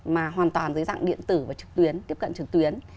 mà hoàn toàn dưới dạng điện tử và trực tuyến tiếp cận trực tuyến